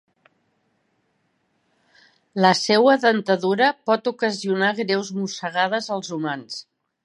La seua dentadura pot ocasionar greus mossegades als humans.